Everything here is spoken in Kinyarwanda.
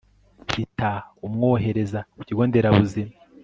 hita umwohereza ku kigo nderabuzima